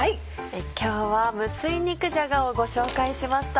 今日は「無水肉じゃが」をご紹介しました。